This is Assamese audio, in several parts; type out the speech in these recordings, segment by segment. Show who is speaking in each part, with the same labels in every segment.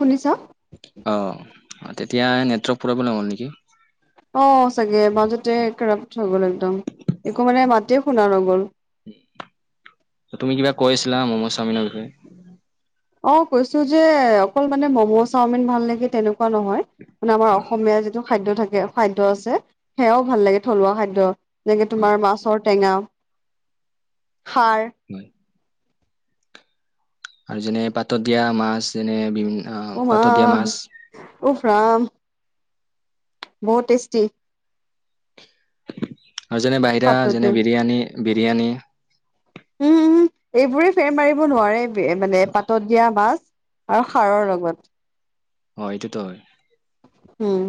Speaker 1: শুনিছ?
Speaker 2: অ তেতিয়া নেটৱৰ্ক প্ৰব্লেম হ'ল নেকি?
Speaker 1: অহ, চাগে মাজতে ক্ৰাপ্ত হৈ গ'ল একদম একো মানে মাতে শুনা নগ'ল।
Speaker 2: তুমি কিবা কৈছিলা ম'ম' চাওমিনৰ বিষয়ে।
Speaker 1: অ', কৈছোঁ যে অকল মানে মম' চাওমিন ভাল নেকি তেনেকুৱা নহয়। মানে আমাৰ
Speaker 2: হয়
Speaker 1: অসমীয়া যিটো খাদ্য থাকে খাদ্য আছে সেয়াও ভাল লাগে থলুৱা খাদ্য। যেনেকে
Speaker 2: হয়
Speaker 1: তোমাৰ মাছৰ টেঙা, খাৰ।
Speaker 2: হয়। আৰু যেনে পাতত দিয়া মাছ যেনে বিভিন
Speaker 1: অ', মা উফ ৰাম। বহুত টেষ্টি।
Speaker 2: আৰু যেনে বাহিৰা
Speaker 1: পাতত
Speaker 2: যেনে
Speaker 1: দিয়া।
Speaker 2: বিৰিয়ানী - বিৰিয়ানি
Speaker 1: উম উম এইবোৰে ফেৰ মাৰিব নোৱাৰে মানে পাতত দিয়া মাছ আৰু সাৰৰ লগত।
Speaker 2: অহ, এইটোতো হয়।
Speaker 1: উম,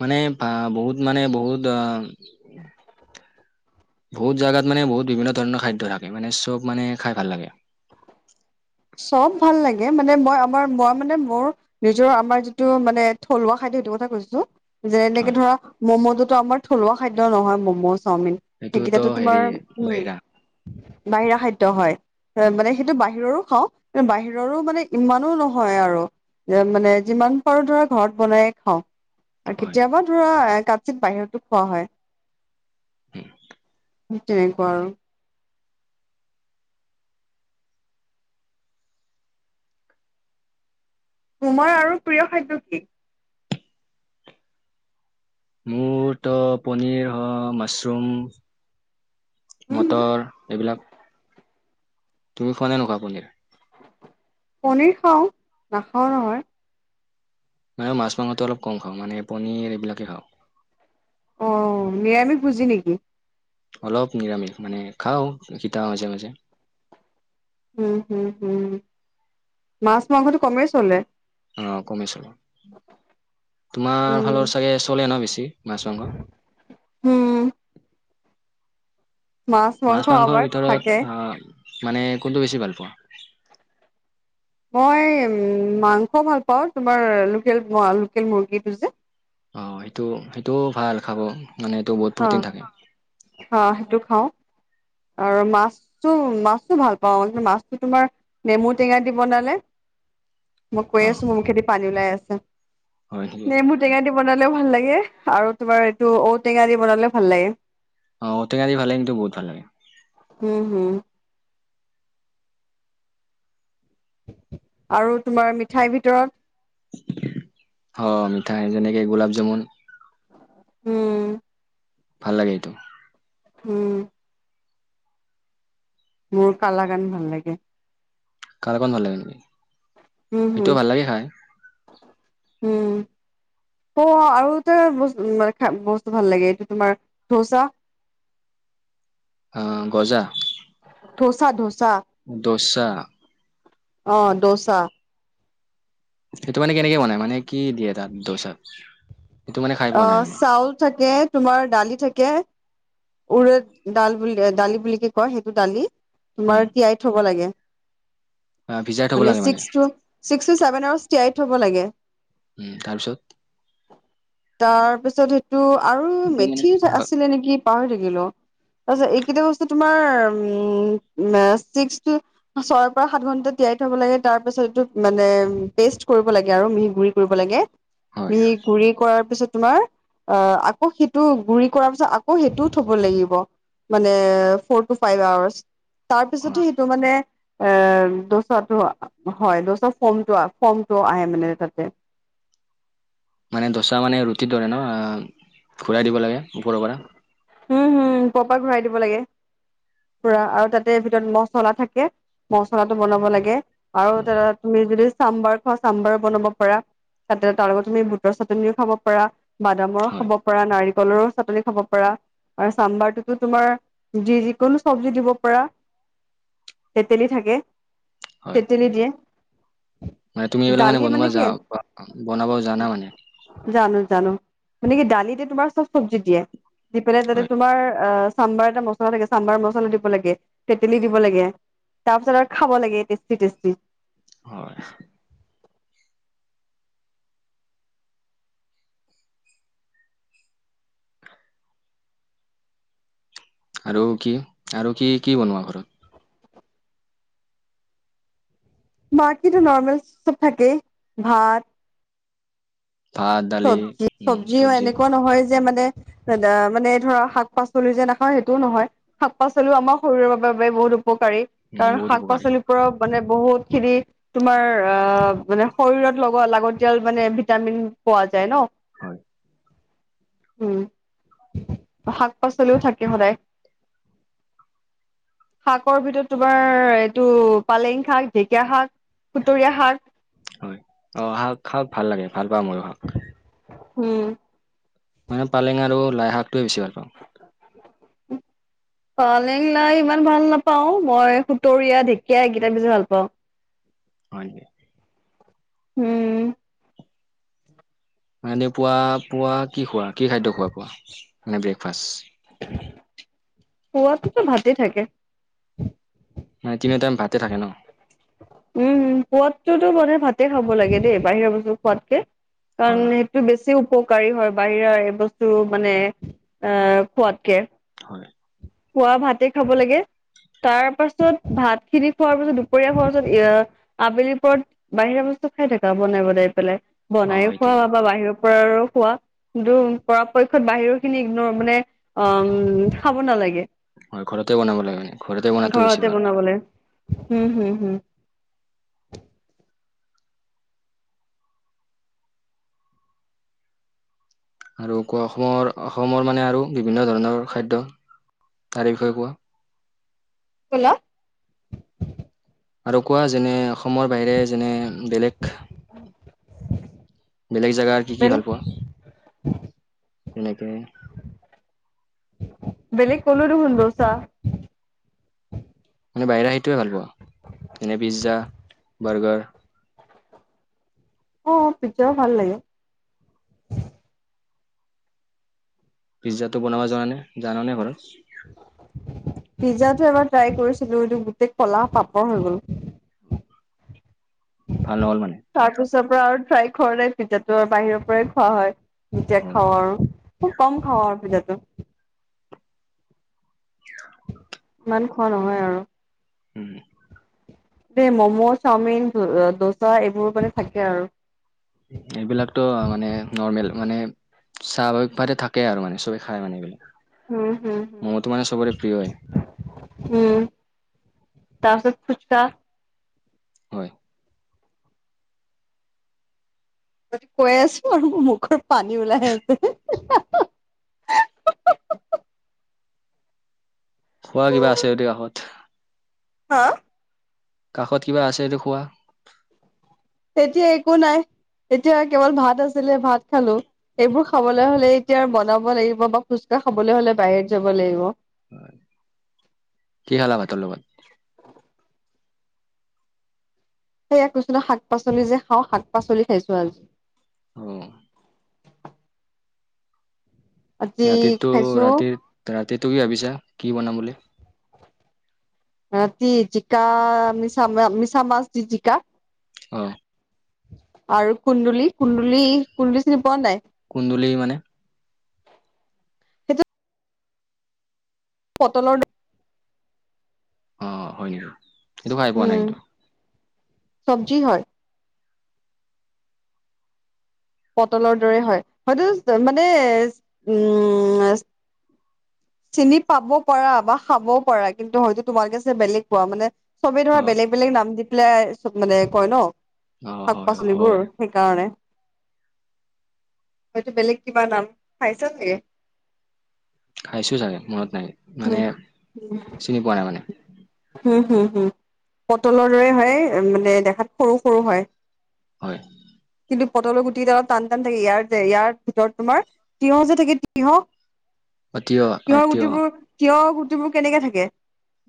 Speaker 2: মানে বা বহুত মানে বহুত আ বহুত জাগাত মানে বহুত বিভিন্ন ধৰণৰ খাদ্য থাকে মানে চব মানে খাই ভাল লাগে।
Speaker 1: [inaudible] চব ভাল লাগে মানে মই আমাৰ মই মানে মোৰ নিজৰ আমাৰ যিটো মানে থলুৱা খাদ্য সেটো কথা কৈছোঁ যে এনেকে
Speaker 2: হয়
Speaker 1: ধৰা মম'তোত আমাৰ থলুৱা খাদ্য নহয় ম'ম'জ চাওমিন
Speaker 2: এইটোতো
Speaker 1: সেইকেইটাটো
Speaker 2: হেৰি
Speaker 1: তোমাৰ উম।
Speaker 2: বাহিৰা
Speaker 1: বাহিৰা খাদ্য হয়
Speaker 2: হয়
Speaker 1: মানে সেইটো বাহিৰৰো। খাওঁ কিন্তু বাহিৰৰো মানে ইমানো নহয় আৰু। মানে যিমান পাৰোঁ ধৰা ঘৰত বনাই খাওঁ। আৰু
Speaker 2: হয়।
Speaker 1: কেতিয়াবা ধৰা কাত চিত বাহিৰতো খোৱা হয়। সেইটোৱে কুৱা আৰু। তোমাৰ আৰু প্ৰিয় খাদ্য কি?
Speaker 2: মোৰ তো পনীৰ হয় মাছৰুম মটৰ এইবিলাক তুমি খোৱানে নোখোৱা পলিয়াৰ?
Speaker 1: পনীৰ খাওঁ নাখাওঁ নহয়।
Speaker 2: মানে মাছ মাংসটো অলপ কম খাওঁ মানে পনীৰ এইবিলাকে খাওঁ।
Speaker 1: অ নিৰামিষ বুজি নেকি?
Speaker 2: অলপ নিৰামিষ মানে খাওঁ তিতা মাজে মাজে।
Speaker 1: উম হম হম মাছ মাংসটো কমেই চলে।
Speaker 2: অ কমে চলো। তোমাৰ
Speaker 1: উম,
Speaker 2: ফালৰ চাগে চলে ন বেছি মাছ মাংস?
Speaker 1: উম
Speaker 2: মাছ মাংসৰ
Speaker 1: আমাৰ
Speaker 2: ভিতৰত
Speaker 1: থাকে।
Speaker 2: অ মানে কোনটো বেছি ভাল পোৱা?
Speaker 1: মই মাংস ভাল পাওঁ তোমাৰ লোকেল লোকেল মুৰ্গীটো যে।
Speaker 2: অ সেইটো সেইটোও ভাল খাব। মানে এইটো বহুত
Speaker 1: হা
Speaker 2: প্ৰটিন থাকে
Speaker 1: হা সেইটো খাওঁ। আৰু মাছটো মাছটো ভাল পাওঁ কি মাছটো তোমাৰ নেমু টেঙা দি বনালে। মই কৈ
Speaker 2: অ
Speaker 1: আছোঁ মোৰ মুখেদি পানী ওলাই আছে
Speaker 2: হয় নেকি
Speaker 1: নেমু টেঙা দি বনালে। ও ভাল লাগে আৰু তোমাৰ এইটো ঔটেঙা দি বনালেও ভাল লাগে।
Speaker 2: [unintelligible] বহুত ভাল লাগে
Speaker 1: উম আৰু তোমাৰ মিঠাইৰ ভিতৰত
Speaker 2: অ মিঠাই যেনেকে গোলাপ জামুন
Speaker 1: উম
Speaker 2: ভাল লাগে এইটো
Speaker 1: উম মোৰ কালা গান ভাল লাগে
Speaker 2: কাল অকণ ভাল লাগে নেকি
Speaker 1: উম, হুম।
Speaker 2: সেইটো ভাল লাগে খাই।
Speaker 1: উম অ অ আৰু এটা মে বস্তু ভাল লাগে এইটো তোমাৰ ধৌচা
Speaker 2: অ গজা।
Speaker 1: ধোচা ধোচা
Speaker 2: দচা
Speaker 1: অ দোচা
Speaker 2: সেইটো মানে কেনেকে বনাই মানে কি দিয়ে তাত দচাত
Speaker 1: অ চাউল থাকে তোমাৰ দালি থাকে উৰে ডাল বুলি দালি বুলিকে কয় সেইটো দালি
Speaker 2: উম
Speaker 1: তোমাৰ তিয়াই থব লাগে
Speaker 2: আহ ভিজাই থ'ব লাগে মানে
Speaker 1: [unintelligible]
Speaker 2: উম তাৰপিছত
Speaker 1: তাৰ পিছত সেইটো আৰু
Speaker 2: এইটো মানে
Speaker 1: মেথি আছিলে নেকি পাহৰি থাকিলো। তাছত এইকেটা বস্তু তোমাৰ ম ছিচটি [unintelligible] তিয়াই থব লাগে তাৰ পিছত এইটো মানে পেষ্ট কৰিব লাগে আৰু মিহি গুৰি কৰিব লাগে
Speaker 2: হয়,
Speaker 1: বি গুৰি কৰাৰ তাৰপিছত তোমাৰ আহ আকৌ সেইটো গুৰি কৰাৰ পিছত আকৌ সেইটোও থব লাগিব। মানে ফৰ টু ফাইভ আৱাৰ্চ তাৰ
Speaker 2: হয়।
Speaker 1: পিছতে সেইটো মানে এ দচাটো হয় দচা ফৰ্মটো ফৰ্মটো আহে মানে তাতে [inaudible]
Speaker 2: মানে দচা মানে ৰুটিৰ দৰে ন ঘূৰাই দিব লাগে ওপৰৰ পৰা
Speaker 1: উম হম পপাৰ ঘূৰাই দিব লাগে। পুৰা আৰু তাতে ভিতৰত মচলা থাকে মচলাটো বনাব লাগে আৰু
Speaker 2: হয়,
Speaker 1: তা তুমি যদি চাম্বাৰ খোৱা চাম্বাৰো বনাব পাৰা তাতে তাৰ লগত তুমি বুটৰ চাটনিও খাব পাৰা বাদামৰ
Speaker 2: হয়,
Speaker 1: খাব পাৰা নাৰিকলৰো চাটনি খাব পাৰা আৰু চাম্বাৰটোতো তোমাৰ যি যিকোনো চব্জি দিব পাৰা তেতেলী থাকে
Speaker 2: হয়।
Speaker 1: তেতেলী দিয়ে
Speaker 2: মানে তুমি এইবিলাক
Speaker 1: ডালি মানে
Speaker 2: বনোৱা
Speaker 1: কি
Speaker 2: যা বনাব জানা মানে
Speaker 1: জানো জানো মানে কি দালিতে তোমাৰ চব চব্জি দিয়ে দি পেলাই তাতে
Speaker 2: হয়,
Speaker 1: তোমাৰ অ চাম্বাৰ এটা মছলা থাকে চাম্বাৰ মছলা দিব লাগে তেতেলী দিব লাগে। তাৰ পাছত আৰু খাব লাগে টেষ্টি টেষ্টি
Speaker 2: হয় আৰু কি আৰু কি কি বনোৱা ঘৰত
Speaker 1: মাকীটো নৰ্মেলচ চব থাকে ভাত
Speaker 2: ভাত, দালি,
Speaker 1: চব্জি
Speaker 2: উম,
Speaker 1: চব্জিও
Speaker 2: চব্জি
Speaker 1: এনেকুৱা নহয় যে মানে মানে ধৰা শাক পাচলি যে নাখাওঁ সেইটোও নহয় শাক পাচলিও আমাৰ শৰীৰৰ বাবে বহুত উপকাৰী
Speaker 2: উম,
Speaker 1: কাৰণ
Speaker 2: বহুত
Speaker 1: শাক
Speaker 2: উপকাৰী
Speaker 1: পাচলিৰ পৰাও মানে বহুত খিনি তোমাৰ অ মানে শৰীৰত লগত লাগতিয়াল মানে ভিটামিন পোৱা যায় ন
Speaker 2: হয়
Speaker 1: উম শাক পাচলিও থাকে সদায় [inaudible] শাকৰ ভিতৰত তোমাৰ এইটো পালেং শাক ঢেকীয়া শাক খুতৰীয়া শাক
Speaker 2: হয় অঁ শাক শাক ভাল লাগে ভাল পাওঁ ময়ো শাক
Speaker 1: উম
Speaker 2: মানে পালেং আৰু লাই শাকটোৱে বেছি ভাল পাওঁ
Speaker 1: উম পালেং লাই ইমান ভাল নাপাও মই সুতৰীয়া ঢেকীয়া এইকেইটা বেছি ভাল পাওঁ
Speaker 2: হয়
Speaker 1: উম
Speaker 2: এ পুৱা পুৱা কি খোৱা কি খাদ্য খোৱা পোৱা মানে ব্ৰেকফাষ্ট
Speaker 1: পুৱাটোতো ভাতেই থাকে।
Speaker 2: মানে তিনিওটাইম ভাতে থাকে ন
Speaker 1: উমম খোৱাতটোতো মানে ভাতে খাব লাগে দেই বাহিৰৰ বস্তু খোৱাতকে
Speaker 2: হয়,
Speaker 1: কাৰণ
Speaker 2: হয়।
Speaker 1: সেইটো বেছি উপ কাৰী হয় বাহিৰৰ এই বস্তু মানে এ খোৱাতকে
Speaker 2: হয়
Speaker 1: পুৱা ভাতে খাব লাগে। তাৰ পাছত ভাত খিনি খোৱাৰ পিছত দুপৰীয়া খোৱাৰ পাছত এ আবেলি পৰত বাহিৰা বস্তু খাই থাকা বনাই বনাই পেলাই
Speaker 2: অ
Speaker 1: বনায়ো
Speaker 2: এইটো হয়
Speaker 1: খোৱা বা বাহিৰৰ পৰা আৰু খোৱা কিন্তু পৰাপক্ষত বাহিৰৰ খিনি ইগনৰ মানে অ খাব নালাগে
Speaker 2: হয় বনাব লাগে মানে বনাতো হৈছে
Speaker 1: ঘৰতে
Speaker 2: ভাল
Speaker 1: বনাবলৈ হম হম হম
Speaker 2: আৰু কোৱা অসমৰ অসমৰ মানে আৰু বিভিন্ন ধৰণৰ খাদ্য তাৰ বিষয়ে কোৱা।
Speaker 1: কি কলা
Speaker 2: আৰু কোৱা যেনে অসমৰ বাহিৰে যেনে বেলেগ বেলেগ জেগাৰ কি কি
Speaker 1: বেলেগ
Speaker 2: ভাল পোৱা তেনেকে
Speaker 1: বেলেগ কলোঁ দেখোন বচা
Speaker 2: মানে বাহিৰা সেইটোৱে ভাল পা যেনে পিজ্জা বাৰ্গাৰ
Speaker 1: আঁহ পিজ্বাও ভাল লাগে।
Speaker 2: পিজ্জাটো বনাব জান নে জানা নে ঘৰত
Speaker 1: [inaudible] পিজ্জাটো এবাৰ ট্ৰাই কৰিছিলো এইটো গোটেই কলাহ পাপৰ হৈ গল
Speaker 2: ভাল নহ'ল মানে
Speaker 1: তাৰপিছৰ পৰা আৰু ফ্ৰাই কৰালে পিজ্জাটো আৰু বাহিৰৰ পৰাই খোৱা হয় এতিয়া
Speaker 2: হয়
Speaker 1: খাওঁ আৰু খুব কম খাও পিজ্জাটো।
Speaker 2: [unintelligible] [unintelligible]
Speaker 1: ইমান খোৱা নহয় আৰু
Speaker 2: হম
Speaker 1: দেই ম'ম' চাওমিন দোচা এইবোৰ কাৰণে থাকে আৰু
Speaker 2: এইবিলাকতটো মানে নৰ্মেল মানে স্বাভাৱিকভাৱ থাকে আৰু মানে সবে খায় মানে এইবিলাক
Speaker 1: উম হম হম
Speaker 2: ম'ম'টো মানে চবৰে প্ৰিয়ই
Speaker 1: উম তাৰ পাছত তা
Speaker 2: হয়
Speaker 1: যদি কৈ আছো আৰু মোৰ মুখৰ পানী ওলাই আছে আহঁ হাঁ হাঁ
Speaker 2: খোৱা কিবা আছে যদি কাষত
Speaker 1: হাঁ
Speaker 2: কাষত কিবা আছে এইটো খোৱা
Speaker 1: তেতিয়া একো নাই এতিয়া কেৱল ভাত আছিলে ভাত খালো এইবোৰ খাবলৈ হলে এতিয়া বনাব লাগিব বা পোচকা খাবলৈ হ'লে বাহিৰত যাব লাগিব
Speaker 2: হয় কি খালা ভাতৰ লগত।
Speaker 1: সেয়া কৈছো ন শাক পাচলি যে খাওঁ শাক পাচলি খাইছোঁ আজি।
Speaker 2: অ।
Speaker 1: আজি
Speaker 2: ৰাতিতো
Speaker 1: খাইছো
Speaker 2: ৰাতি ৰাতি ত কি ভাবিছা কি বনাম বুলি। [unintelligible]
Speaker 1: ৰাতি জিকা মিছা মিছামাছ দি জিকা।
Speaker 2: হয়।
Speaker 1: আৰু কুন্দুলি কুন্দুলি কুন্দুলি চিনি পোৱা নাই।
Speaker 2: কুন্দুলি মানে।
Speaker 1: সেইটো। পটলৰ।
Speaker 2: অ হয় নেকি সেইটো খাই পোৱা
Speaker 1: উম
Speaker 2: ইটো।
Speaker 1: চব্জি হয়। পটলৰ দৰে হয় হয়তো মানে উম। চিনি পাব পাৰা বা খাবওঁ পাৰা কিন্তু হয়তো তোমালোকে যে বেলেগ কোৱা মানে। চবেই
Speaker 2: অ
Speaker 1: ধৰা বেলেগ বেলেগ নাম দি পেলাই মানে কয় ন।
Speaker 2: অ
Speaker 1: শাক
Speaker 2: হয় অ হ'ব
Speaker 1: পাচলিবোৰ
Speaker 2: পাৰে
Speaker 1: সেইকাৰণে। হয়টো বেলেগ কিবা নাম খাইছা চাগে।
Speaker 2: খাইছোঁ চাগে মনত নাই মানে
Speaker 1: উম
Speaker 2: চিনি পোৱা নাই মানে।
Speaker 1: হুম হুম পটলৰ দৰে হয় মানে দেখাত সৰু সৰু হয়।
Speaker 2: হয়।
Speaker 1: পটল গুটি অলপ টান টান থাকে ইয়াৰ যে ইয়াৰ ভিতৰত তোমাৰ তিয়ঁহ যে থাকে তিয়ঁহ।
Speaker 2: অ তিয়হ অ
Speaker 1: তিয়ঁহ
Speaker 2: তিয়হ
Speaker 1: গুটিবোৰ তিয়ঁহ গুটি। তিয়ঁহৰ গুটিবোৰ কেনেকে থাকে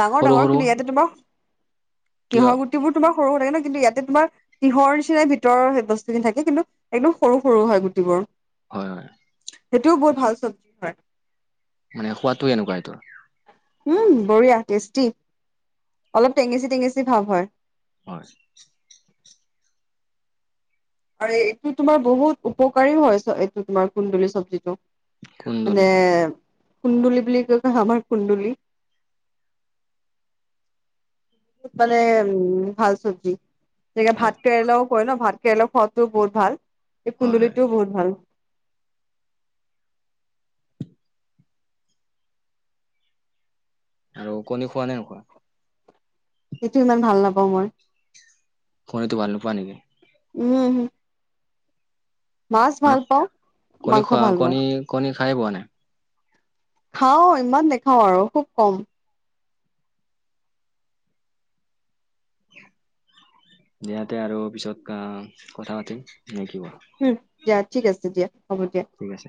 Speaker 1: ডাঙৰ
Speaker 2: সৰু
Speaker 1: ডাঙৰ
Speaker 2: সৰু
Speaker 1: কিন্তু ইয়াতে তোমাৰ
Speaker 2: তিয়হ
Speaker 1: তিয়ঁহ গুটিবোৰ তোমাৰ। সৰু থাকে ন কিন্তু ইয়াতে তোমাৰ তিয়ঁহ নিচিনা ভিতৰ বস্তুখিনি থাকে। কিন্তু একদম সৰু সৰু হয় গুটিবোৰ।
Speaker 2: হয় হয়।
Speaker 1: সেইটোও বহুত ভাল চব্জি হয়।
Speaker 2: মানে খোৱাতটো এনেকুৱাত।
Speaker 1: উম বঢ়িয়া টেষ্টি অলপ টেঙেচি টেঙেচি ভাৱ হয়।
Speaker 2: হয়।
Speaker 1: [inaudible] আৰু এইটো তোমাৰ বহুত উপকাৰীও হয় এইটো তোমাৰ কুন্দুলি চব্জিটো।
Speaker 2: কুন্দুলি
Speaker 1: মানে। কুন্দুলি বুলি কৈ আমাৰ কুন্দুলি। মানে উম ভাল চব্জি যেনেকে
Speaker 2: হয়
Speaker 1: ভাত কেৰেলাও কৰে ন ভাত। কেৰেলৰ খোৱাদটোও বহুত ভাল এই
Speaker 2: হয় হয়
Speaker 1: কুন্দুলিটোও বহুত ভাল।
Speaker 2: আৰু কণী খোৱা নে নোখোৱা।
Speaker 1: সেইটো ইমান ভাল নাপাওঁ মই।
Speaker 2: হয় এইটো ভাল নোপোৱা নেকি।
Speaker 1: উম হুম।
Speaker 2: উম কণী
Speaker 1: মাংস
Speaker 2: খোৱা
Speaker 1: ভাল পাওঁ
Speaker 2: কণী খাই খাই পোৱা নাই।
Speaker 1: খাওঁ ইমান নেখাওঁ আৰু খুব কম।
Speaker 2: দিয়া তেহ আৰু পিছত আহ কথা পাতিম। নে কিবা।
Speaker 1: উম, দিয়া ঠিক আছে দিয়া। হ'ব দিয়া।
Speaker 2: ঠিক আছে।